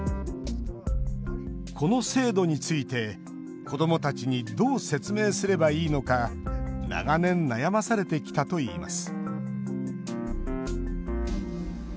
この制度について、子どもたちにどう説明すればいいのか長年悩まされてきたといいます